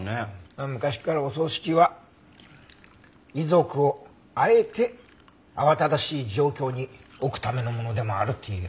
昔からお葬式は遺族をあえて慌ただしい状況に置くためのものでもあるっていうよね。